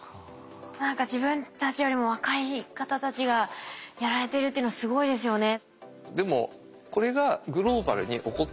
何か自分たちよりも若い方たちがやられてるっていうのはすごいですよね。